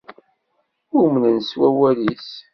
Umnen s wawal-is.